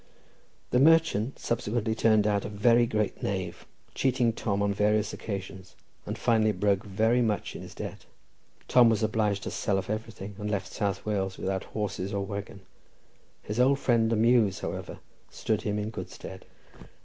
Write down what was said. The merchant subsequently turned out a very great knave, cheating Tom on various occasions, and finally broke, very much in his debt. Tom was obliged to sell off everything, and left South Wales without horses or waggon; his old friend the Muse, however, stood him in good stead.